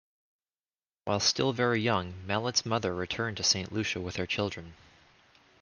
While still very young Mallet's mother returned to Saint Lucia with her children.